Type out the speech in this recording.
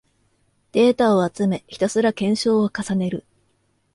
データを集め、ひたすら検証を重ねる